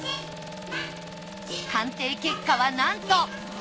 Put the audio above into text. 鑑定結果はなんと！